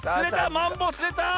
マンボウつれた！